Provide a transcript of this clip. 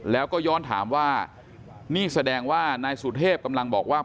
แล้วก็ย้อนถามว่านี่แสดงว่านายสุเทพกำลังบอกว่า